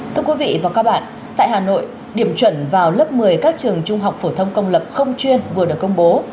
thưa quý vị và các bạn tại hà nội điểm chuẩn vào lớp một mươi các trường trung học phổ thông công lập không chuyên vừa được công bố